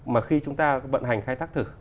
mà khi chúng ta vận hành khai thác thử